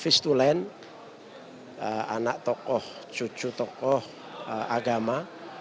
vistulen anak tokoh cucu tokoh agama